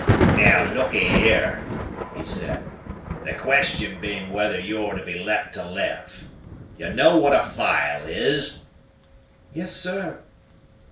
"Now lookee here," he said, "the question being whether you're to be let to live. You know what a file is?" "Yes, sir."